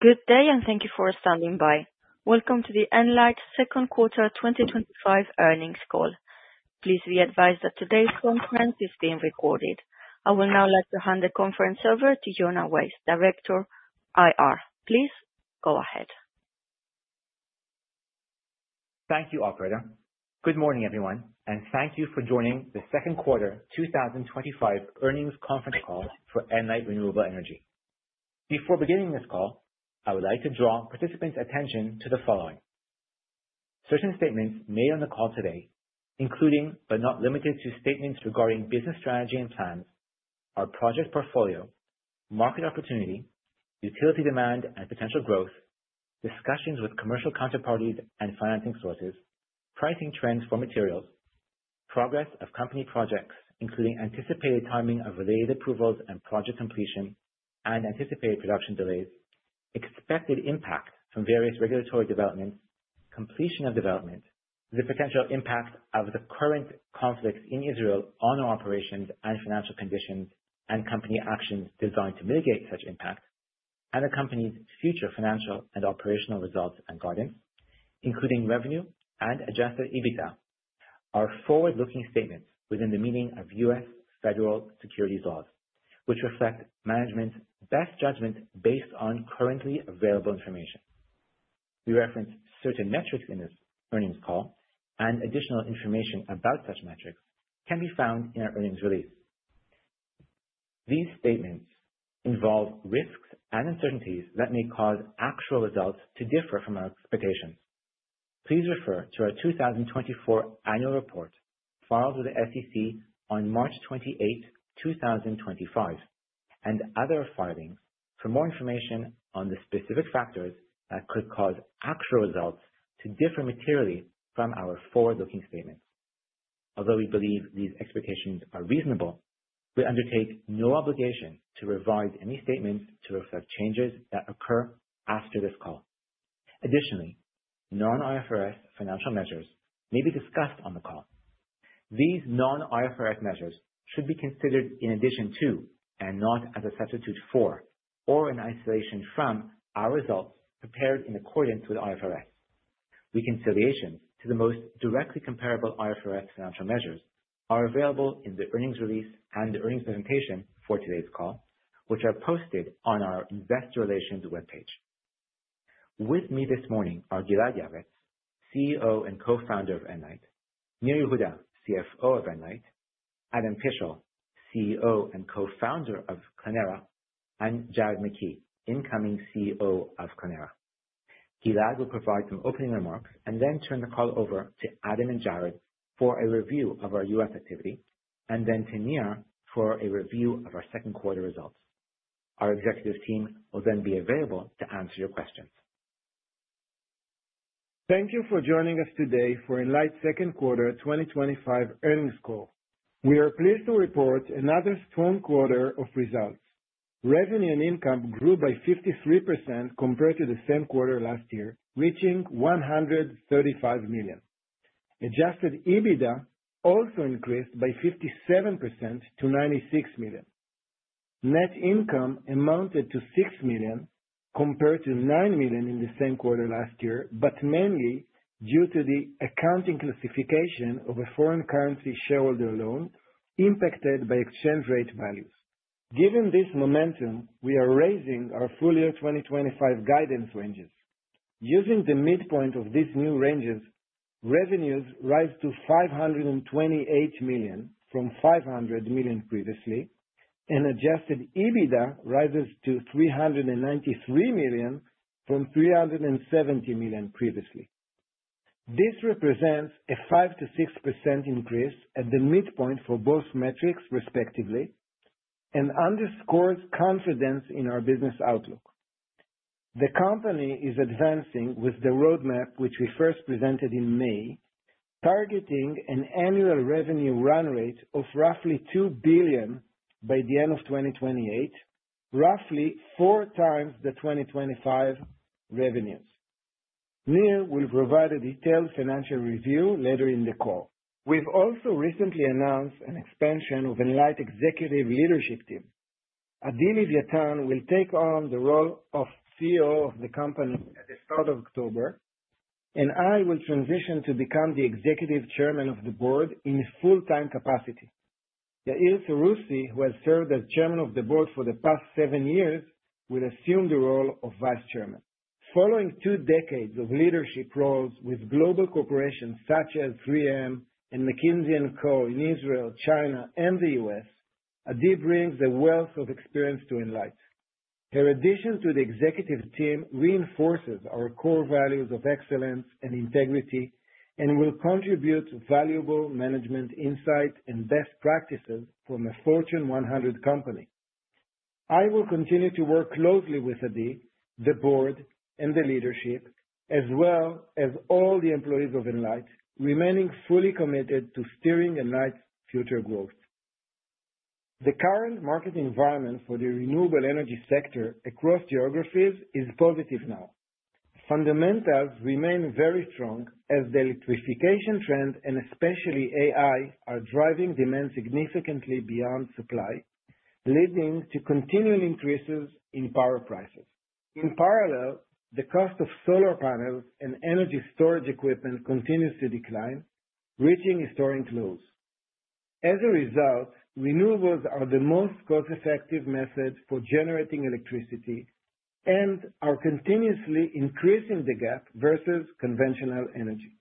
Good day and thank you for standing by. Welcome to the Enlight Second Quarter 2025 Earnings Call. Please be advised that today's conference is being recorded. I would now like to hand the conference over to Yonah Weisz, Director IR. Please go ahead. Thank you, Operator. Good morning, everyone, and thank you for joining the Second Quarter 2025 Earnings Conference Call for Enlight Renewable Energy. Before beginning this call, I would like to draw participants' attention to the following: certain statements made on the call today, including but not limited to statements regarding business strategy and plans, our project portfolio, market opportunity, utility demand and potential growth, discussions with commercial counterparties and financing sources, pricing trends for materials, progress of company projects, including anticipated timing of related approvals and project completion, and anticipated production delays, expected impact from various regulatory developments, completion of development, the potential impact of the current conflicts in Israel on our operations and financial conditions, and company actions designed to mitigate such impacts, and the company's future financial and operational results and guidance, including revenue and adjusted EBITDA, are forward-looking statements within the meaning of U.S. Federal Securities Laws, which reflect management's best judgment based on currently available information. We reference certain metrics in this earnings call, and additional information about such metrics can be found in our earnings release. These statements involve risks and uncertainties that may cause actual results to differ from our expectations. Please refer to our 2024 Annual Report filed with the SEC on March 28, 2025, and other filings for more information on the specific factors that could cause actual results to differ materially from our forward-looking statements. Although we believe these expectations are reasonable, we undertake no obligation to revisit any statements to reflect changes that occur after this call. Additionally, non-IFRS financial measures may be discussed on the call. These non-IFRS measures should be considered in addition to, and not as a substitute for, or in isolation from, our results prepared in accordance with IFRS. Reconciliations to the most directly comparable IFRS financial measures are available in the earnings release and the earnings presentation for today's call, which are posted on our Investor Relations webpage. With me this morning are Gilad Yavetz, CEO and Co-founder of Enlight, Nir Yehuda, CFO of Enlight, Adam Pishl, CEO and Co-founder of Clēnera, and Jared McKee, incoming CEO of Clēnera. Gilad will provide some opening remarks and then turn the call over to Adam and Jared for a review of our U.S. activity, and then to Nir for a review of our second quarter results. Our executive team will then be available to answer your questions. Thank you for joining us today for Enlight's Second Quarter 2025 Earnings Call. We are pleased to report another strong quarter of results. Revenue and income grew by 53% compared to the same quarter last year, reaching $135 million. Adjusted EBITDA also increased by 57% to $96 million. Net income amounted to $6 million compared to $9 million in the same quarter last year, mainly due to the accounting classification of a foreign currency shareholder loan impacted by exchange rate values. Given this momentum, we are raising our full-year 2025 guidance ranges. Using the midpoint of these new ranges, revenues rise to $528 million from $500 million previously, and adjusted EBITDA rises to $393 million from $370 million previously. This represents a 5%-6% increase at the midpoint for both metrics, respectively, and underscores confidence in our business outlook. The company is advancing with the roadmap which we first presented in May, targeting an annual revenue run rate of roughly $2 billion by the end of 2028, roughly 4x the 2025 revenues. Nir will provide a detailed financial review later in the call. We've also recently announced an expansion of Enlight's executive leadership team. Adi Leviatan will take on the role of CEO of the company at the start of October, and I will transition to become the Executive Chairman of the Board in full-time capacity. Yair Seroussi, who has served as Chairman of the Board for the past 7 years, will assume the role of Vice Chairman. Following two decades of leadership roles with global corporations such as 3M and McKinsey & Co. in Israel, China, and the U.S., Adi brings a wealth of experience to Enlight. Her addition to the executive team reinforces our core values of excellence and integrity and will contribute to valuable management insights and best practices from a Fortune 100 company. I will continue to work closely with Adi, the Board, and the leadership, as well as all the employees of Enlight, remaining fully committed to steering Enlight's future growth. The current market environment for the renewable energy sector across geographies is positive now. Fundamentals remain very strong as the electrification trend and especially AI are driving demand significantly beyond supply, leading to continued increases in power prices. In parallel, the cost of solar panels and energy storage equipment continues to decline, breaching historic moves. As a result, renewables are the most cost-effective method for generating electricity and are continuously increasing the gap versus conventional energy.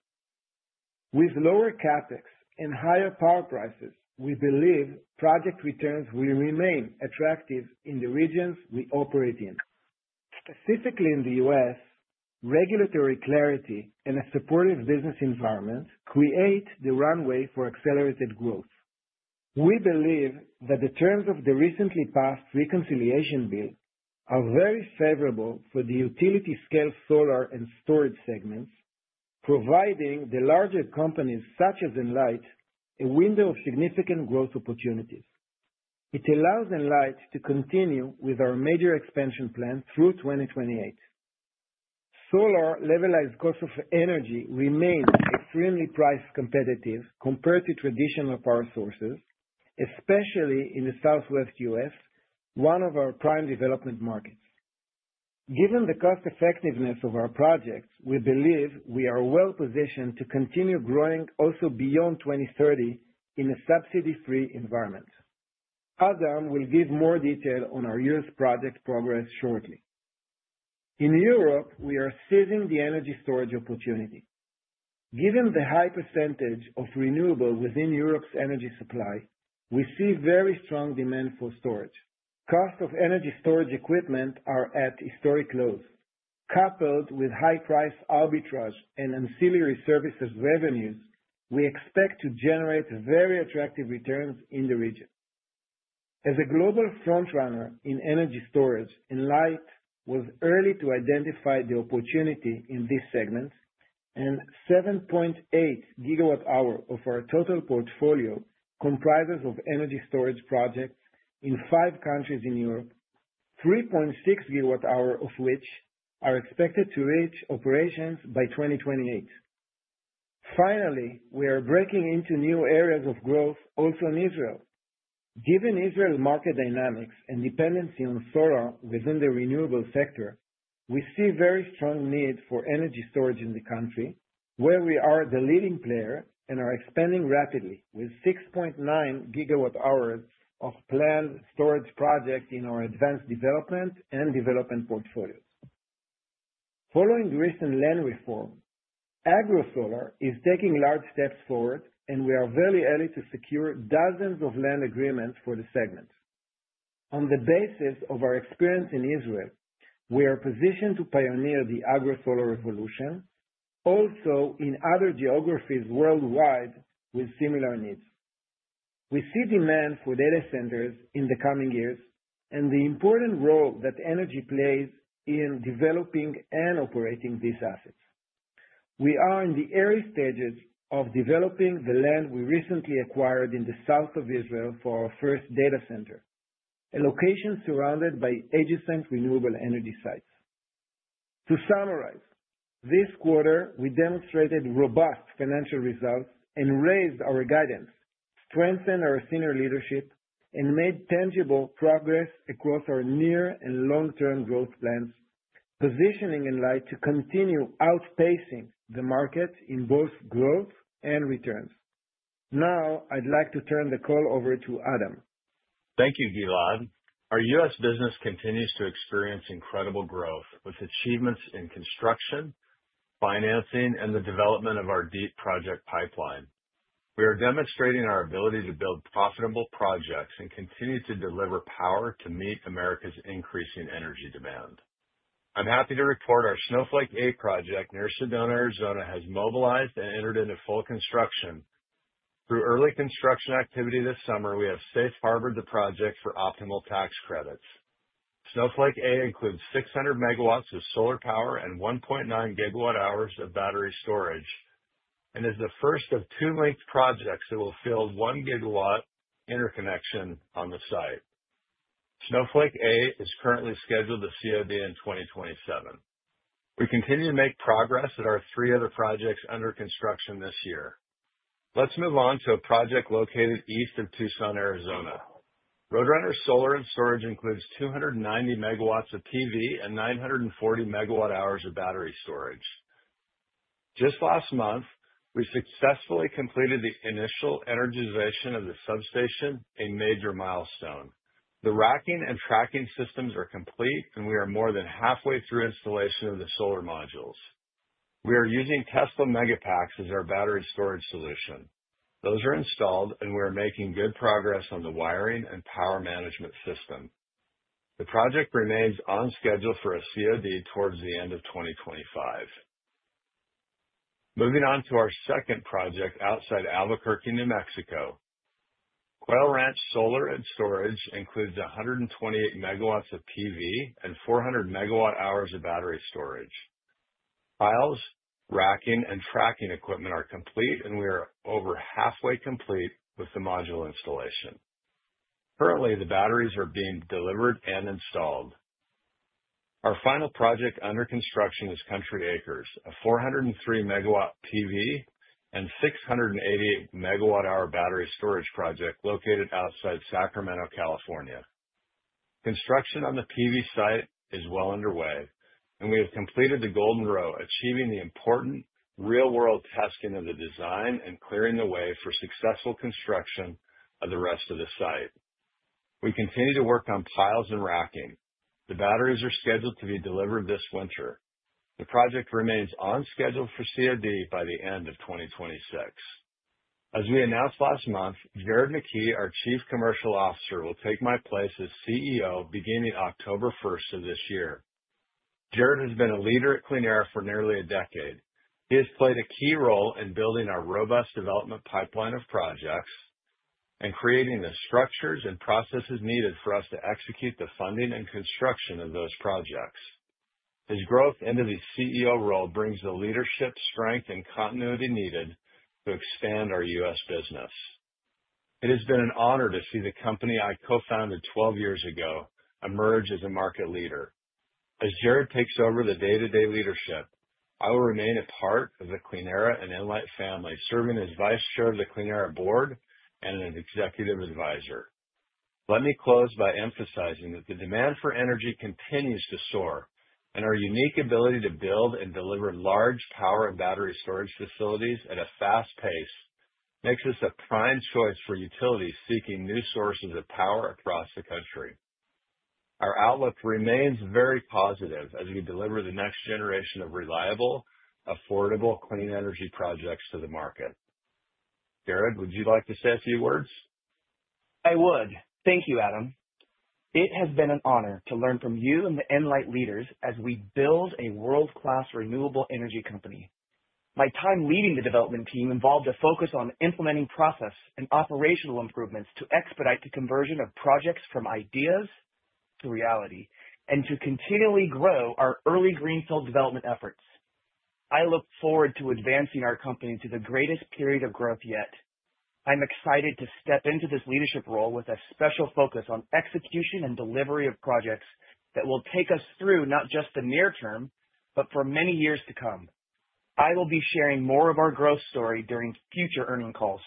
With lower CapEx and higher power prices, we believe project returns will remain attractive in the regions we operate in. Specifically in the U.S., regulatory clarity and a supportive business environment create the runway for accelerated growth. We believe that the terms of the recently passed reconciliation bill are very favorable for the utility-scale solar and storage segments, providing the larger companies such as Enlight a window of significant growth opportunities. It allows Enlight to continue with our major expansion plan through 2028. Solar levelized cost of energy remains extremely price-competitive compared to traditional power sources, especially in the Southwest U.S., one of our prime development markets. Given the cost-effectiveness of our projects, we believe we are well positioned to continue growing also beyond 2030 in a subsidy-free environment. Adam will give more detail on our U.S. project progress shortly. In Europe, we are seizing the energy storage opportunity. Given the high percentage of renewables within Europe's energy supply, we see very strong demand for storage. Costs of energy storage equipment are at historic lows. Coupled with high-priced arbitrage and ancillary services revenues, we expect to generate very attractive returns in the region. As a global frontrunner in energy storage, Enlight was early to identify the opportunity in this segment, and 7.8 GWh of our total portfolio comprises energy storage projects in five countries in Europe, 3.6 GWh of which are expected to reach operations by 2028. Finally, we are breaking into new areas of growth also in Israel. Given Israel's market dynamics and dependency on solar within the renewable sector, we see a very strong need for energy storage in the country, where we are the leading player and are expanding rapidly with 6.9 GWh of planned storage projects in our advanced development and development portfolios. Following recent land reform, AgroSolar is taking large steps forward, and we are very early to secure dozens of land agreements for the segment. On the basis of our experience in Israel, we are positioned to pioneer the AgroSolar revolution, also in other geographies worldwide with similar needs. We see demand for data centers in the coming years and the important role that energy plays in developing and operating these assets. We are in the early stages of developing the land we recently acquired in the south of Israel for our first data center, a location surrounded by adjacent renewable energy sites. To summarize, this quarter we demonstrated robust financial results and raised our guidance, strengthened our senior leadership, and made tangible progress across our near and long-term growth plans, positioning Enlight to continue outpacing the market in both growth and returns. Now, I'd like to turn the call over to Adam. Thank you, Gilad. Our U.S. business continues to experience incredible growth with achievements in construction, financing, and the development of our deep project pipeline. We are demonstrating our ability to build profitable projects and continue to deliver power to meet America's increasing energy demand. I'm happy to report our Snowflake A project near Sedona, Arizona, has mobilized and entered into full construction. Through early construction activity this summer, we have safe-harbored the project for optimal tax credits. Snowflake A includes 600 MW of solar power and 1.9 GWh of battery storage and is the first of two linked projects that will field 1 GW interconnection on the site. Snowflake A is currently scheduled to COD in 2027. We continue to make progress at our three other projects under construction this year. Let's move on to a project located east of Tucson, Arizona. Roadrunner Solar and Storage includes 290 MW of PV and 940 MWh of battery storage. Just last month, we successfully completed the initial energization of the substation, a major milestone. The racking and tracking systems are complete, and we are more than halfway through installation of the solar modules. We are using Tesla Megapacks as our battery storage solution. Those are installed, and we are making good progress on the wiring and power management system. The project remains on schedule for a COD towards the end of 2025. Moving on to our second project outside Albuquerque, New Mexico. Quail Ranch Solar and Storage includes 128 MW of PV and 400 MWhs of battery storage. Piles, racking, and tracking equipment are complete, and we are over halfway complete with the module installation. Currently, the batteries are being delivered and installed. Our final project under construction is Country Acres, a 403 MW PV and 688 MWh battery storage project located outside Sacramento, California. Construction on the PV site is well underway, and we have completed the Golden Row, achieving the important real-world testing of the design and clearing the way for successful construction of the rest of the site. We continue to work on piles and racking. The batteries are scheduled to be delivered this winter. The project remains on schedule for COD by the end of 2026. As we announced last month, Jared McKee, our Chief Commercial Officer, will take my place as CEO beginning October 1st of this year. Jared has been a leader at Clēnera for nearly a decade. He has played a key role in building our robust development pipeline of projects and creating the structures and processes needed for us to execute the funding and construction of those projects. His growth into the CEO role brings the leadership, strength, and continuity needed to expand our U.S. business. It has been an honor to see the company I co-founded 12 years ago emerge as a market leader. As Jared takes over the day-to-day leadership, I will remain a part of the Clēnera and Enlight family, serving as Vice Chair of the Clēnera Board and an Executive Advisor. Let me close by emphasizing that the demand for energy continues to soar, and our unique ability to build and deliver large power and battery storage facilities at a fast pace makes us a prime choice for utilities seeking new sources of power across the country. Our outlook remains very positive as we deliver the next generation of reliable, affordable, clean energy projects to the market. Jared, would you like to say a few words? Thank you, Adam. It has been an honor to learn from you and the Enlight leaders as we build a world-class renewable energy company. My time leading the development team involved a focus on implementing process and operational improvements to expedite the conversion of projects from ideas to reality and to continually grow our early greenfield development efforts. I look forward to advancing our company to the greatest period of growth yet. I'm excited to step into this leadership role with a special focus on execution and delivery of projects that will take us through not just the near term, but for many years to come. I will be sharing more of our growth story during future earnings calls.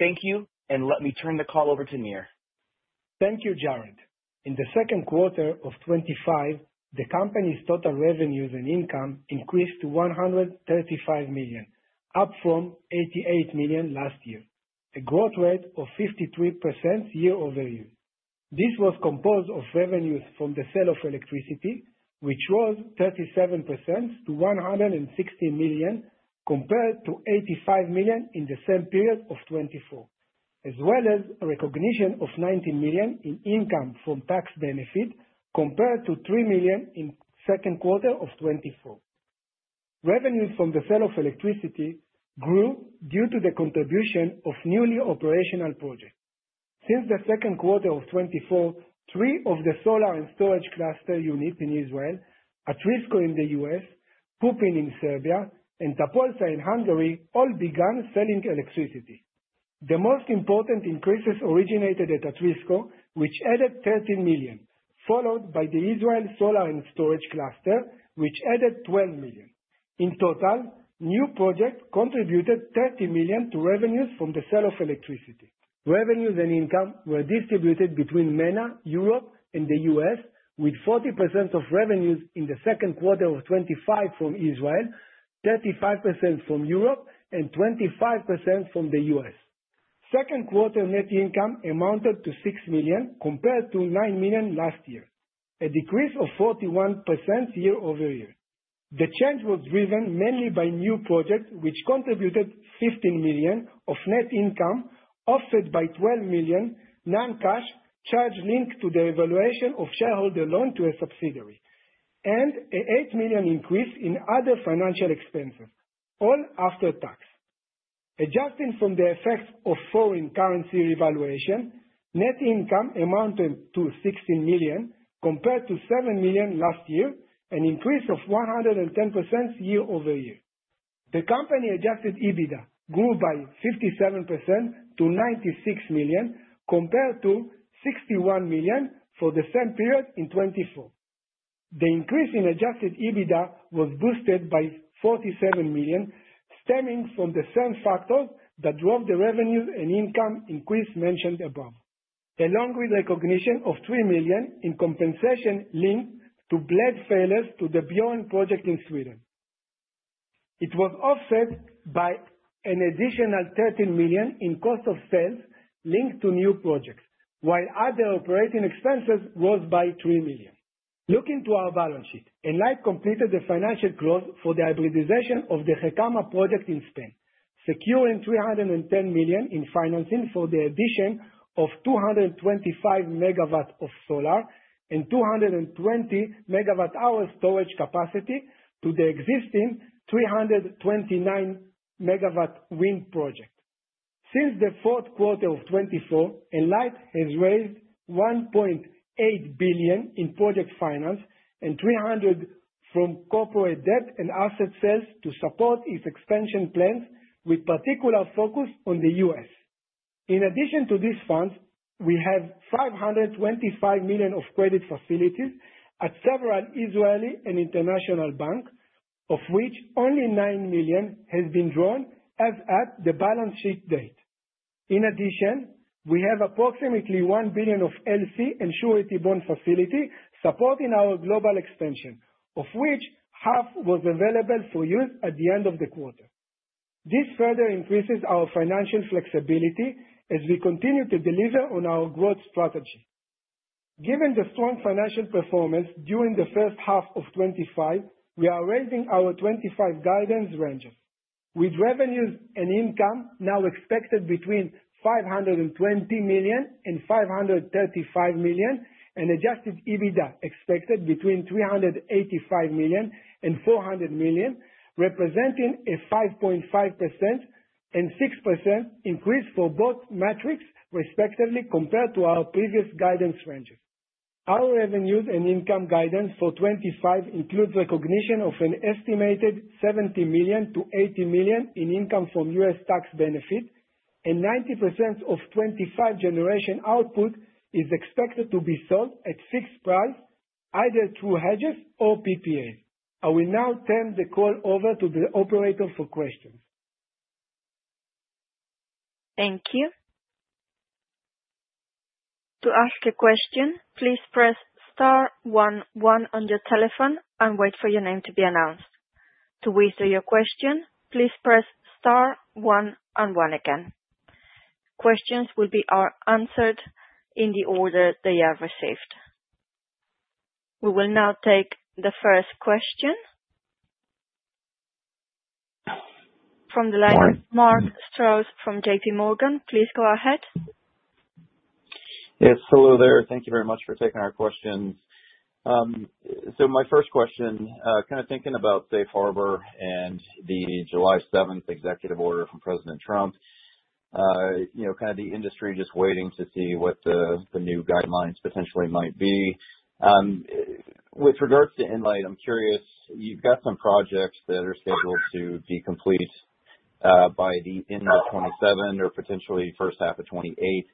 Thank you, and let me turn the call over to Nir. Thank you, Jared. In the second quarter of 2025, the company's total revenues and income increased to $135 million, up from $88 million last year, a growth rate of 53% year-over-year. This was composed of revenues from the sale of electricity, which rose 37% to $116 million, compared to $85 million in the same period of 2024, as well as a recognition of $19 million in income from tax benefits, compared to $3 million in the second quarter of 2024. Revenues from the sale of electricity grew due to the contribution of newly operational projects. Since the second quarter of 2024, three of the solar and storage cluster units in Israel, Atrisco in the U.S., Pupin in Serbia, and Tapolca in Hungary all began selling electricity. The most important increases originated at Atrisco, which added $13 million, followed by the Israel Solar and Storage cluster, which added $12 million. In total, new projects contributed $30 million to revenues from the sale of electricity. Revenues and income were distributed between MENA, Europe, and the U.S., with 40% of revenues in the second quarter of 2025 from Israel, 35% from Europe, and 25% from the U.S. Second quarter net income amounted to $6 million, compared to $9 million last year, a decrease of 41% year-over-year. The change was driven mainly by new projects, which contributed $15 million of net income, offset by $12 million non-cash charges linked to the revaluation of shareholder loan to a subsidiary, and an $8 million increase in other financial expenses, all after tax. Adjusting from the effects of foreign currency revaluation, net income amounted to $16 million, compared to $7 million last year, an increase of 110% year-over-year. The company adjusted EBITDA grew by 57% to $96 million, compared to $61 million for the same period in 2024. The increase in adjusted EBITDA was boosted by $47 million, stemming from the same factors that drove the revenues and income increase mentioned above, along with a recognition of $3 million in compensation linked to blade failures to the Björn project in Sweden. It was offset by an additional $13 million in cost of sales linked to new projects, while other operating expenses rose by $3 million. Looking to our balance sheet, Enlight completed the financial close for the hybridization of the Gecama project in Spain, securing $310 million in financing for the addition of 225 MW of solar and 220 MWh storage capacity to the existing 329 MW wind project. Since the fourth quarter of 2024, Enlight has raised $1.8 billion in project finance and $300 million from corporate debt and asset sales to support its expansion plans, with particular focus on the U.S. In addition to these funds, we have $525 million of credit facilities at several Israeli and international banks, of which only $9 million has been drawn as at the balance sheet date. In addition, we have approximately $1 billion of LC and surety bond facilities supporting our global expansion, of which half was available for use at the end of the quarter. This further increases our financial flexibility as we continue to deliver on our growth strategy. Given the strong financial performance during the first half of 2025, we are raising our 2025 guidance ranges. With revenues and income now expected between $520 million and $535 million, and adjusted EBITDA expected between $385 million and $400 million, representing a 5.5% and 6% increase for both metrics, respectively, compared to our previous guidance ranges. Our revenues and income guidance for 2025 includes recognition of an estimated $70 million-$80 million in income from U.S. tax benefits, and 90% of 2025 generation output is expected to be sold at fixed price, either through hedges or PPA. I will now turn the call over to the operator for questions. Thank you. To ask a question, please press star one one on your telephone and wait for your name to be announced. To withdraw your question, please press star one one again. Questions will be answered in the order they are received. We will now take the first question from the line. Mark Strouse from JPMorgan, please go ahead. Yes. Hello there. Thank you very much for taking our questions. My first question, kind of thinking about Safe Harbor and the July 7th executive order from President Trump, you know, kind of the industry just waiting to see what the new guidelines potentially might be. With regards to Enlight, I'm curious, you've got some projects that are scheduled to be complete by the end of 2027 or potentially first half of 2028.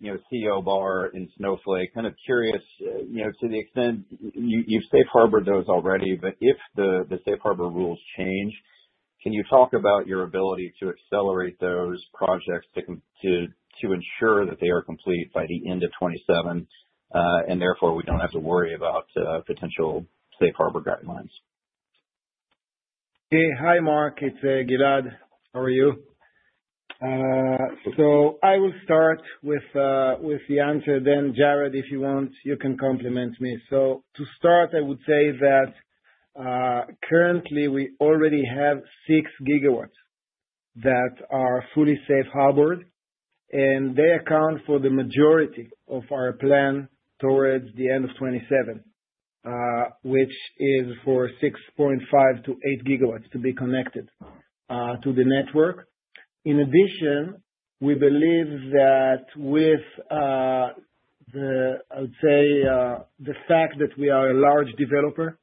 You know, CO Bar and Snowflake, kind of curious, you know, to the extent you've safeguarded those already, but if the Safe Harbor rules change, can you talk about your ability to accelerate those projects to ensure that they are complete by the end of 2027, and therefore we don't have to worry about potential Safe Harbor guidelines? Okay. Hi, Mark. It's Gilad. How are you? I will start with the answer, then Jared, if you want, you can complement me. To start, I would say that currently we already have 6 GW that are fully safe-harbored, and they account for the majority of our plan towards the end of 2027, which is for 6.5 GW-8 GW to be connected to the network. In addition, we believe that with the fact that we are a large developer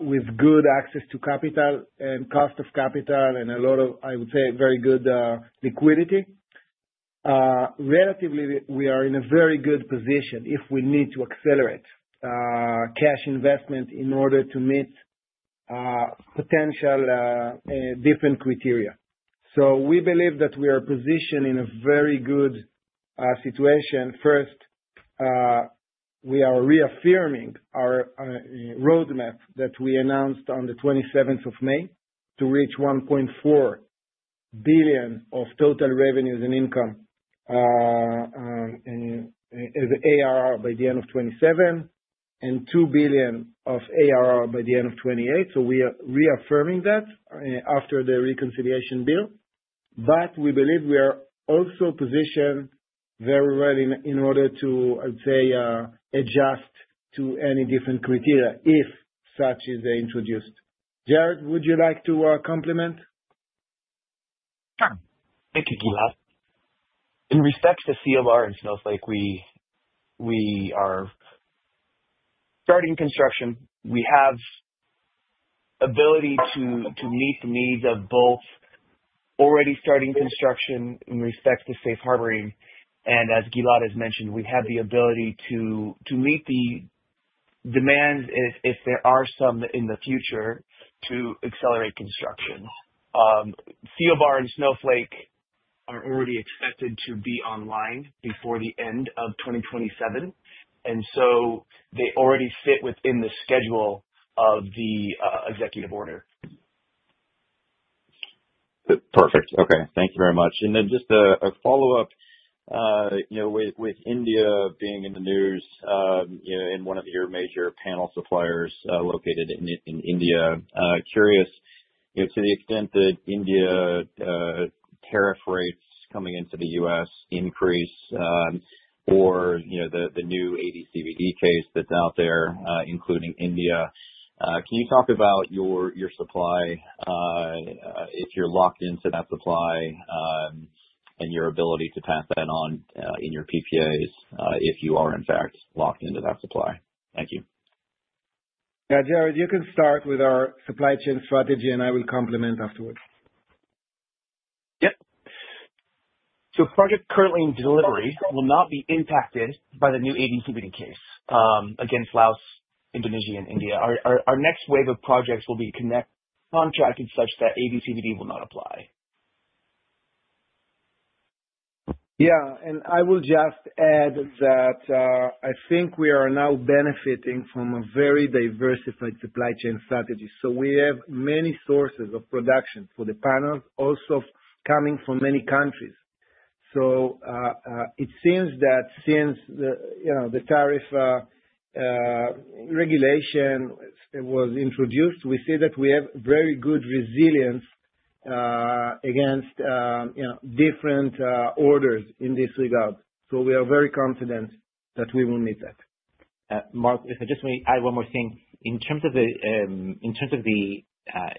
with good access to capital and cost of capital and a lot of very good liquidity, relatively we are in a very good position if we need to accelerate cash investment in order to meet potential different criteria. We believe that we are positioned in a very good situation. First, we are reaffirming our roadmap that we announced on the 27th of May to reach $1.4 billion of total revenues and income as ARR by the end of 2027 and $2 billion of ARR by the end of 2028. We are reaffirming that after the reconciliation bill. We believe we are also positioned very well in order to adjust to any different criteria if such is introduced. Jared, would you like to complement? Sure. Thank you, Gilad. In respect to CO Bar and Snowflake, we are starting construction. We have the ability to meet the needs of both, already starting construction in respect to safe-harboring. As Gilad has mentioned, we have the ability to meet the demands if there are some in the future to accelerate construction. CO Bar and Snowflake are already expected to be online before the end of 2027, so they already fit within the schedule of the executive order. Perfect. Okay. Thank you very much. Just a follow-up, with India being in the news, and one of your major panel suppliers located in India, curious to the extent that India tariff rates coming into the U.S. increase, or the new AB/CVD case that's out there, including India, can you talk about your supply, if you're locked into that supply, and your ability to pass that on in your PPAs if you are, in fact, locked into that supply? Thank you. Yeah, Jared, you can start with our supply chain strategy, and I will complement afterwards. Yeah. Projects currently in delivery will not be impacted by the new AB/CVD case against Laos, Indonesia, and India. Our next wave of projects will be contracted such that AB/CVD will not apply. Yeah. I will just add that I think we are now benefiting from a very diversified supply chain strategy. We have many sources of production for the panels, also coming from many countries. It seems that since the tariff regulation was introduced, we see that we have very good resilience against different orders in this regard. We are very confident that we will meet that. Mark, if I just may add one more thing. In terms of the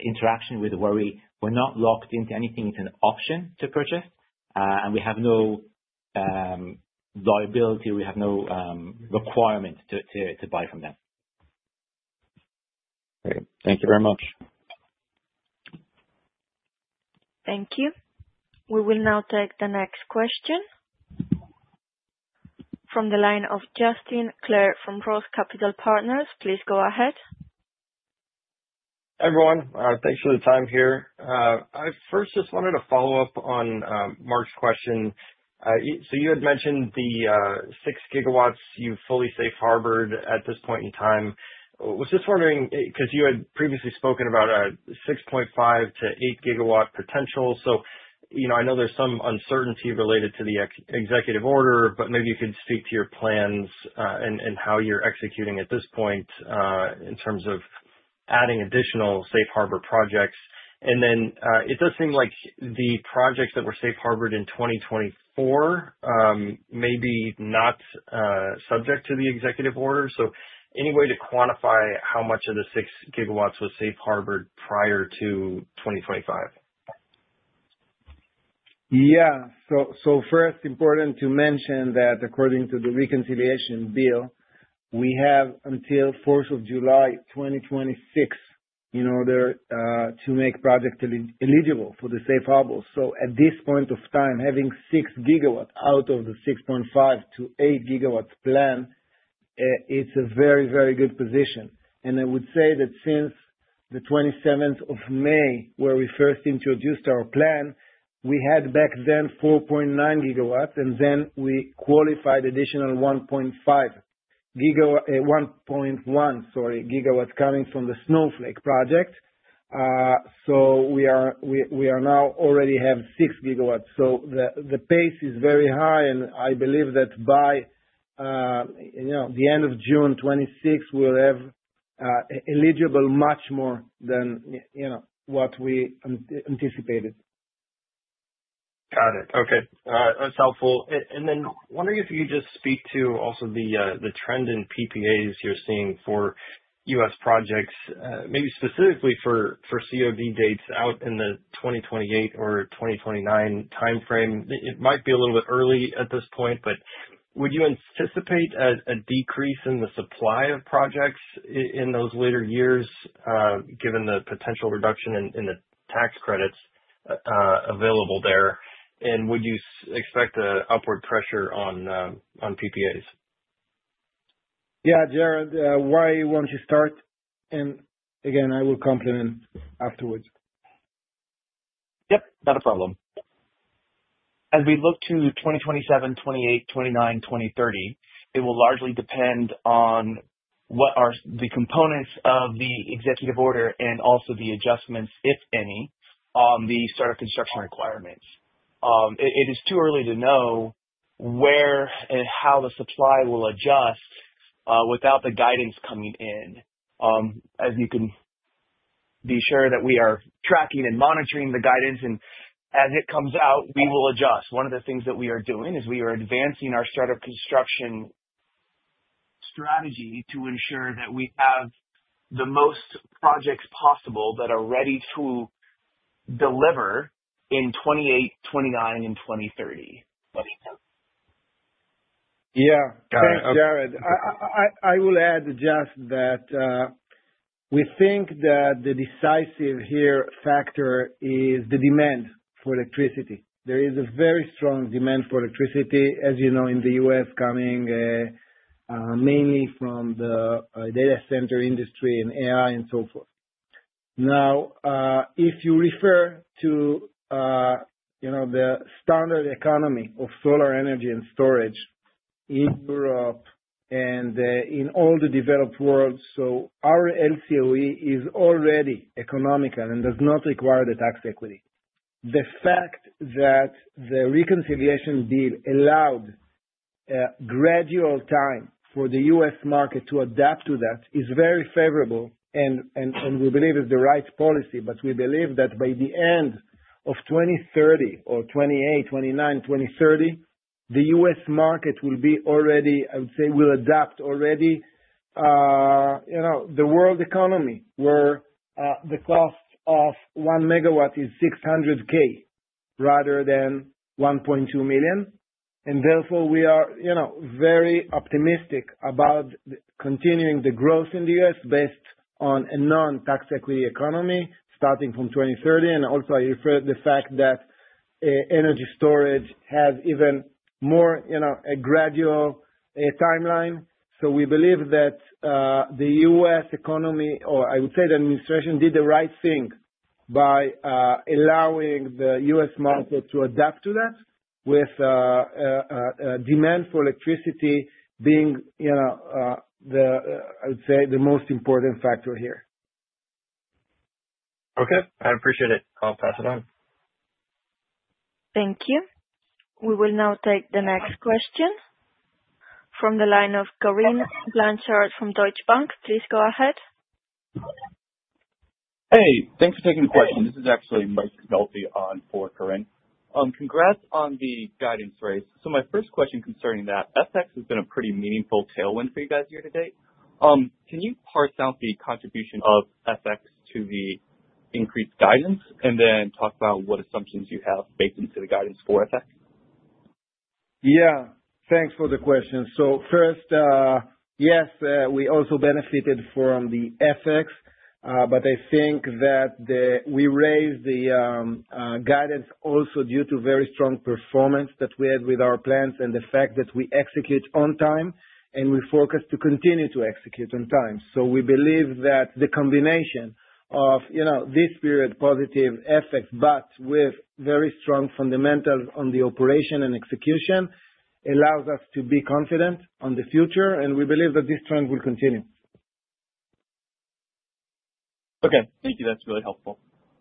interaction with Worry, we're not locked into anything, it's an option to purchase. We have no liability, we have no requirement to buy from them. Great, thank you very much. Thank you. We will now take the next question from the line of Justin Clare from ROTH Capital Partners. Please go ahead. Hey, everyone. Thanks for the time here. I first just wanted to follow up on Mark's question. You had mentioned the 6 GW you fully safe-harbored at this point in time. I was just wondering because you had previously spoken about a 6.5 GW-8 GW potential. I know there's some uncertainty related to the executive order, but maybe you could speak to your plans and how you're executing at this point in terms of adding additional safe harbor projects. It does seem like the projects that were safe-harbored in 2024 may be not subject to the executive order. Is there any way to quantify how much of the 6 GW was safe-harbored prior to 2025? Yeah. First, it's important to mention that according to the reconciliation bill, we have until July 1, 2026, in order to make projects eligible for the safe harbor. At this point in time, having 6 GW out of the 6.5 GW-8 GW plan is a very, very good position. I would say that since the 27th of May, when we first introduced our plan, we had back then 4.9 GW, and then we qualified an additional 1.1 GW coming from the Snowflake project. We are now already at 6 GW. The pace is very high, and I believe that by the end of June 2026, we'll have eligible much more than what we anticipated. Got it. Okay. That's helpful. Could you just speak to also the trend in PPAs you're seeing for U.S. projects, maybe specifically for COD dates out in the 2028 or 2029 timeframe? It might be a little bit early at this point, but would you anticipate a decrease in the supply of projects in those later years, given the potential reduction in the tax credits available there? Would you expect an upward pressure on PPAs? Yeah, Jared, why don't you start? I will complement afterwards. Yep. Not a problem. As we look to 2027, 2028, 2029, 2030, it will largely depend on what are the components of the executive order and also the adjustments, if any, on the startup construction requirements. It is too early to know where and how the supply will adjust without the guidance coming in. You can be sure that we are tracking and monitoring the guidance, and as it comes out, we will adjust. One of the things that we are doing is we are advancing our startup construction strategy to ensure that we have the most projects possible that are ready to deliver in 2028, 2029, and 2030. Yeah. Got it. Jared, I will add just that we think that the decisive factor here is the demand for electricity. There is a very strong demand for electricity, as you know, in the U.S., coming mainly from the data center industry and AI and so forth. Now, if you refer to the standard economy of solar energy and storage in Europe and in all the developed worlds, our NCOE is already economical and does not require the tax equity. The fact that the reconciliation deal allowed a gradual time for the U.S. market to adapt to that is very favorable, and we believe it's the right policy. We believe that by the end of 2028, 2029, 2030, the U.S. market will be already, I would say, will adapt already. The world economy where the cost of 1 MW is $600,000 rather than $1.2 million. Therefore, we are very optimistic about continuing the growth in the U.S. based on a non-tax equity economy starting from 2030. I refer to the fact that energy storage has even more, you know, a gradual timeline. We believe that the U.S. economy, or I would say the administration, did the right thing by allowing the U.S. market to adapt to that with demand for electricity being, I would say, the most important factor here. Okay, I appreciate it. I'll pass it on. Thank you. We will now take the next question from the line of Corrine Blanchard from Deutsche Bank. Please go ahead. Hey, thanks for taking the question. This is actually Mike [Bilbe] on for Corrine. Congrats on the guidance raise. My first question concerning that, FX has been a pretty meaningful tailwind for you guys year-to-date. Can you parse out the contribution of FX to the increased guidance, and then talk about what assumptions you have baked into the guidance for FX? Yeah. Thanks for the question. First, yes, we also benefited from the FX, but I think that we raised the guidance also due to very strong performance that we had with our plans and the fact that we execute on time and we focus to continue to execute on time. We believe that the combination of this period's positive effects, but with very strong fundamentals on the operation and execution, allows us to be confident on the future, and we believe that this trend will continue. Okay. Thank you. That's really helpful.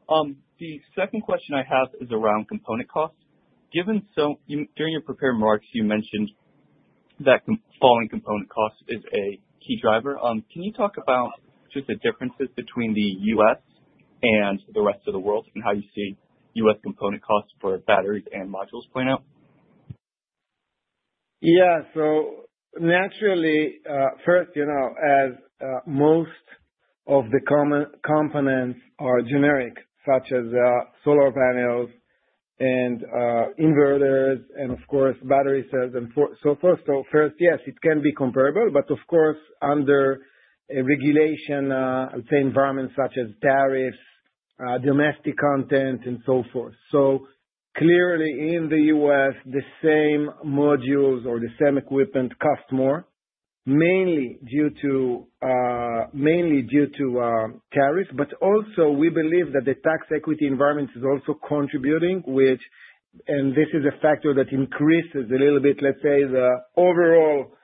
The second question I have is around component costs. During your prepared remarks, you mentioned that falling component costs is a key driver. Can you talk about just the differences between the U.S. and the rest of the world and how you see U.S. component costs for batteries and modules playing out? Yeah. Naturally, first, as most of the common components are generic, such as solar panels and inverters and, of course, battery cells and so forth, yes, it can be comparable, but under a regulation environment such as tariffs, domestic content, and so forth. Clearly, in the U.S., the same modules or the same equipment cost more, mainly due to tariffs, but also, we believe that the tax equity environment is also contributing, which is a factor that increases a little bit, let's say, the overall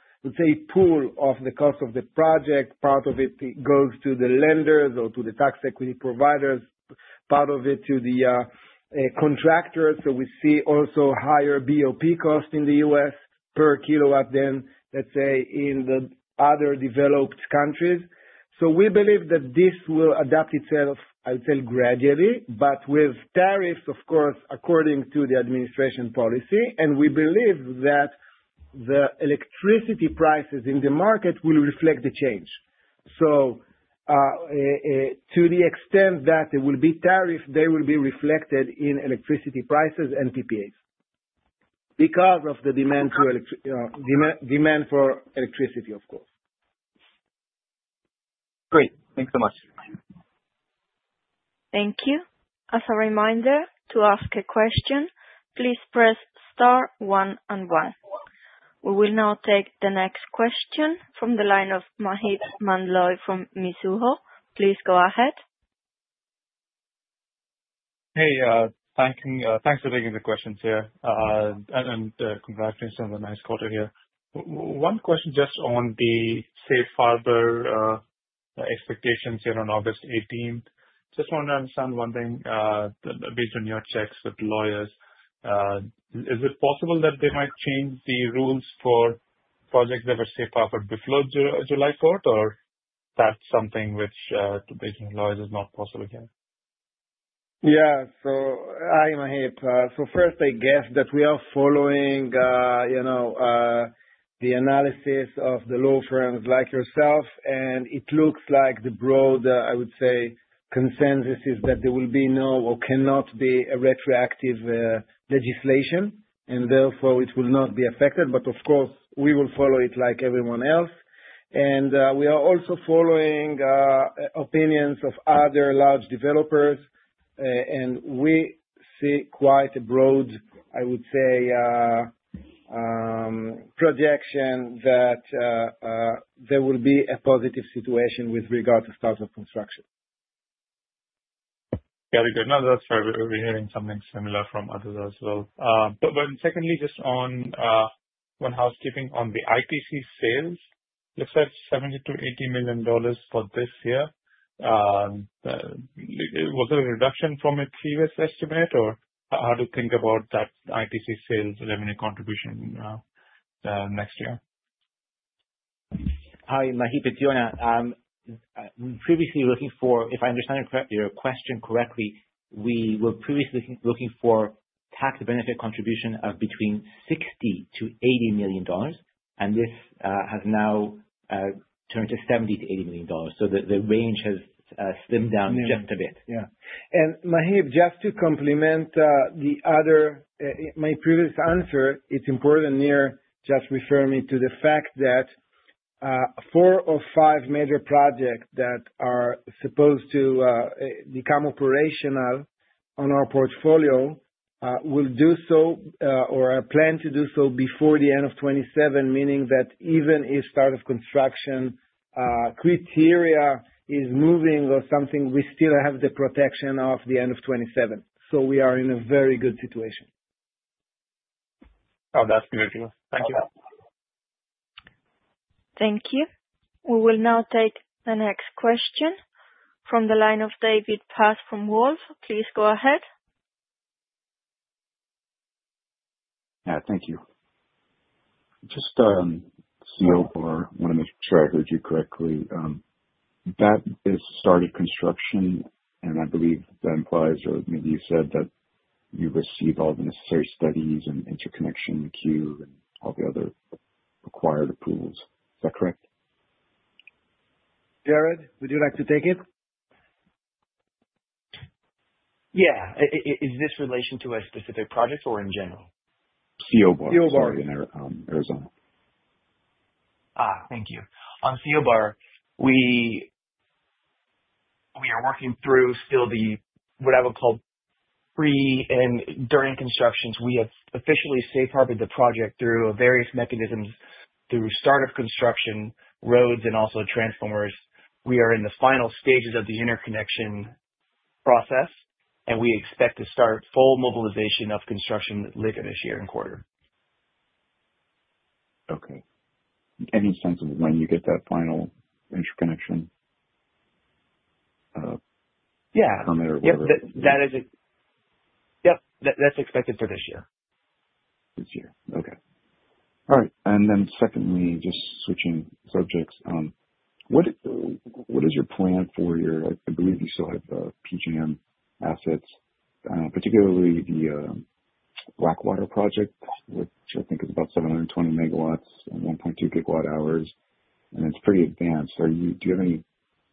pool of the cost of the project. Part of it goes to the lenders or to the tax equity providers, part of it to the contractors. We see also higher BOP costs in the U.S. per kilowatt than in the other developed countries. We believe that this will adapt itself gradually, but with tariffs, of course, according to the administration policy. We believe that the electricity prices in the market will reflect the change. To the extent that there will be tariffs, they will be reflected in electricity prices and PPAs because of the demand for electricity, of course. Great. Thanks so much. Thank you. As a reminder, to ask a question, please press star one one. We will now take the next question from the line of Maheep Mandloi from Mizuho. Please go ahead. Thank you. Thanks for taking the questions here. Congratulations on the next quarter here. One question just on the safe-harbor expectations here on August 18th. I just wanted to understand one thing based on your checks with the lawyers. Is it possible that they might change the rules for projects that were safe-harbored before July 4th, or that's something which, based on the lawyers, is not possible again? Hi, Maheep. First, I guess that we are following the analysis of the law firms like yourself. It looks like the broad consensus is that there will be no or cannot be a retroactive legislation, and therefore, it will not be affected. Of course, we will follow it like everyone else. We are also following opinions of other large developers, and we see quite a broad projection that there will be a positive situation with regard to startup construction. Very good. No, that's right. We're hearing something similar from others as well. Secondly, just on one housekeeping, on the IPC sales, it looks like $70 million-$80 million for this year. Was there a reduction from a previous estimate, or how do you think about that IPC sales revenue contribution next year? Hi, Maheep, it's Yonah. If I understand your question correctly, we were previously looking for tax benefit contribution of between $60 million-$80 million. This has now turned to $70 million-$80 million. The range has slimmed down just a bit. Yeah. And Maheep, just to complement the other, my previous answer, it's important, Nir just referred me to the fact that four or five major projects that are supposed to become operational on our portfolio will do so or plan to do so before the end of 2027, meaning that even if startup construction criteria is moving or something, we still have the protection of the end of 2027. We are in a very good situation. Oh, that's good to know. Thank you. Thank you. We will now take the next question from the line of David Paz from Wolfe. Please go ahead. Thank you. Just a small, or I want to make sure I heard you correctly. That is startup construction, and I believe that implies, or maybe you said that you received all the necessary studies and interconnection queue and all the other required approvals. Is that correct? Jared, would you like to take it? Is this in relation to a specific project or in general? CO Bar. CO Bar. In Arizona. Thank you. On CO Bar, we are working through still what I would call pre and during construction. We have officially safe-harbored the project through various mechanisms, through startup construction, roads, and also transformers. We are in the final stages of the interconnection process, and we expect to start full mobilization of construction later this year and quarter. Okay. Any sense of when you get that final interconnection? Yeah. Comment or whatever? Yeah, that's expected for this year. This year. All right. Secondly, just switching subjects, what is your plan for your, I believe you still have the PJM assets, particularly the Blackwater project, which I think is about 720 MW and 1.2 GWh, and it's pretty advanced. Do you have any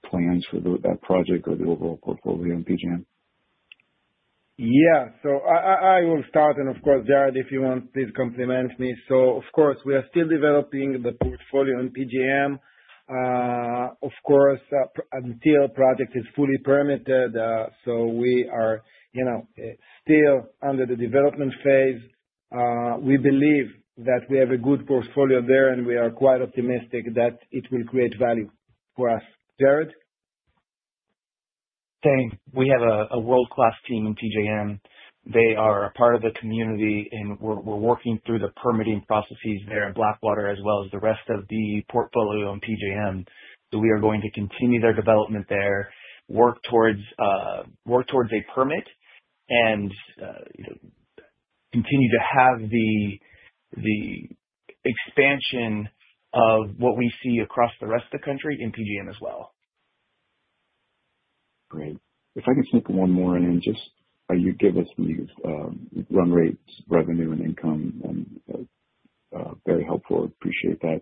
plans for that project or the overall portfolio in PJM? Yeah. I will start. Jared, if you want to complement me. We are still developing the portfolio in PJM. Until the project is fully permitted, we are still under the development phase. We believe that we have a good portfolio there, and we are quite optimistic that it will create value for us. Jared? We have a world-class team in PJM. They are a part of the community, and we're working through the permitting processes there in Blackwater as well as the rest of the portfolio in PJM. We are going to continue their development there, work towards a permit, and continue to have the expansion of what we see across the rest of the country in PJM as well. Great. If I can sneak one more in and just you give us run rates, revenue, and income, and very helpful. I appreciate that.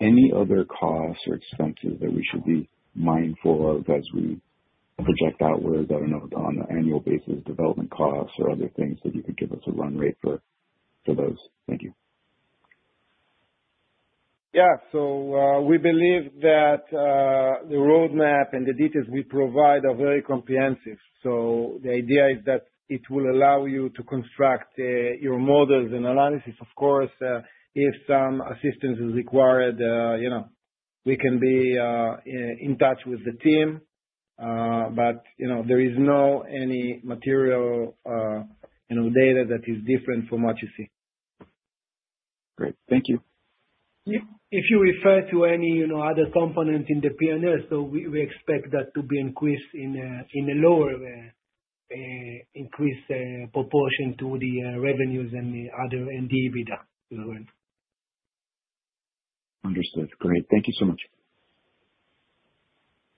Any other costs or expenses that we should be mindful of as we project outward that are not on an annual basis, development costs, or other things that you could give us a run rate for for those? Thank you. Yeah. We believe that the roadmap and the details we provide are very comprehensive. The idea is that it will allow you to construct your models and analysis. Of course, if some assistance is required, we can be in touch with the team. There is no material and/or data that is different from what you see. Great. Thank you. If you refer to any other components in the P&L, we expect that to be increased in a lower increased proportion to the revenues and the other EBITDA that we're going. Understood. Great. Thank you so much.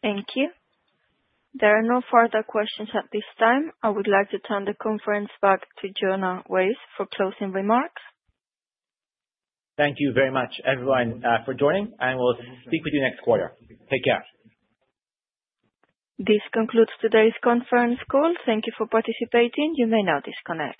Thank you. There are no further questions at this time. I would like to turn the conference back to Yonah Weisz for closing remarks. Thank you very much, everyone, for joining. We'll speak with you next quarter. Take care. This concludes today's conference call. Thank you for participating. You may now disconnect.